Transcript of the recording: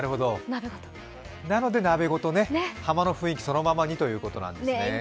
なので、鍋ごとね、浜の雰囲気そのままってことですね。